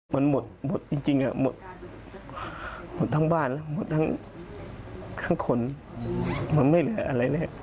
มันหมดหมดจริงหมดทั้งบ้านแล้วหมดทั้งคนมันไม่เหลืออะไรเลย